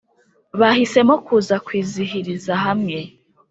bahisemo kuza kwizihiriza hamwe